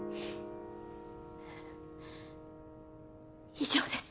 以上です。